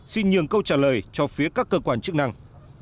xin nhường câu trả lời cho phía các cơ quan chức năng